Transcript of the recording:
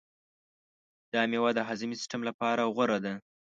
دا مېوه د هاضمې د سیستم لپاره غوره ده.